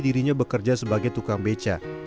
dirinya bekerja sebagai tukang beca